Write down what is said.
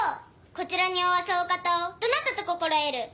こちらにおわすお方をどなたと心得る！